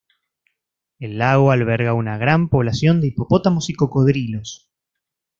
El lago alberga una gran población de hipopótamos y cocodrilos.